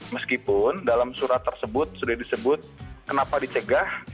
meskipun dalam surat tersebut sudah disebut kenapa dicegah